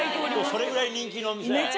それぐらい人気のお店。